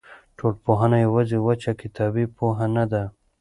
ټولنپوهنه یوازې وچه کتابي پوهه نه ده.